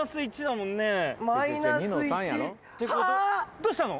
どうしたの？